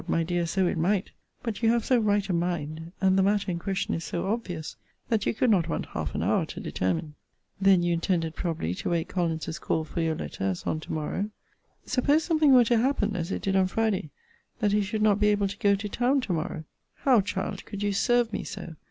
my dear, so it might; but you have so right a mind, and the matter in question is so obvious, that you could not want half an hour to determine. Then you intended, probably, to wait Collins's call for your letter as on to morrow! Suppose something were to happen, as it did on Friday, that he should not be able to go to town to morrow? How, child, could you serve me so!